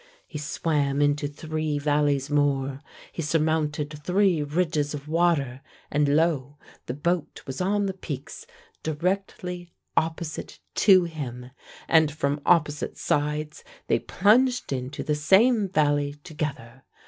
He swam into three valleys more, he surmounted three ridges of water, and lo, the boat was on the peaks directly opposite to him, and from opposite sides they plunged into the same valley together.